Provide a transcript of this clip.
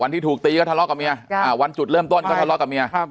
ที่ถูกตีก็ทะเลาะกับเมียวันจุดเริ่มต้นก็ทะเลาะกับเมีย